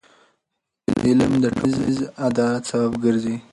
علم د ټولنیز عدالت سبب ګرځي.